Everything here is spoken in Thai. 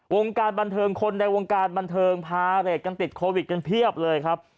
วงการบันเทิงคนในวงการบันเทิงพาเรทกันติดโควิดกันเพียบเลยครับ